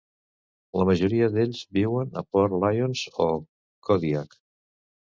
La majoria d'ells viuen a Port Lions o Kodiak.